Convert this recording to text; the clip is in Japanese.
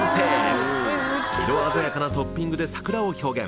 色鮮やかなトッピングで桜を表現。